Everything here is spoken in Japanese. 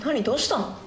どうしたの？